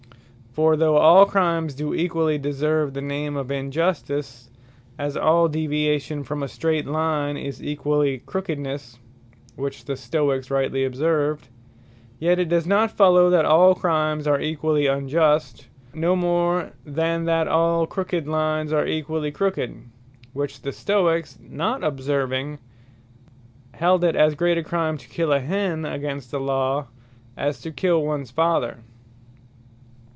For though all Crimes doe equally deserve the name of Injustice, as all deviation from a strait line is equally crookednesse, which the Stoicks rightly observed; yet it does not follow that all Crimes are equally unjust, no more than that all crooked lines are equally crooked; which the Stoicks not observing, held it as great a Crime, to kill a Hen, against the Law, as to kill ones Father.